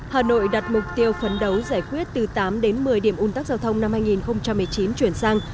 hà nội đặt mục tiêu phấn đấu giải quyết từ tám đến một mươi điểm un tắc giao thông năm hai nghìn một mươi chín chuyển sang